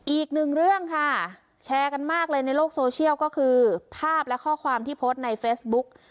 อีกหนึ่งเรื่องค่ะแชร์กันมากเลยในโลกโซเชียลก็คือภาพและข้อความที่โพสต์ในเฟซบุ๊ก